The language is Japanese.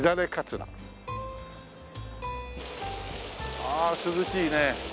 ああ涼しいね。